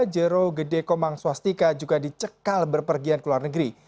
jero gede komang swastika juga dicekal berpergian ke luar negeri